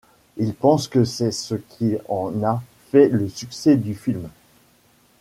Il pense que c'est ce qui en a fait le succès du film.